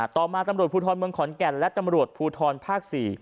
ต่อมาตำรวจภูทรเมืองขอนแก่นและตำรวจภูทรภาค๔